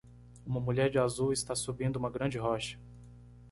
Uma mulher de azul está subindo uma grande rocha